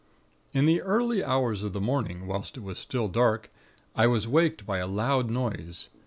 "In the early hours of the morning, whilst it was still dark, I was waked by a loud noise.